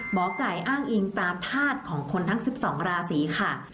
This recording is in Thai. หมอไก่อ้างอิงตามธาตุของคนทั้ง๑๒ราศีค่ะ